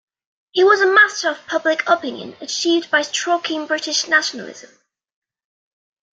He was a master of public opinion, achieved by stroking British nationalism.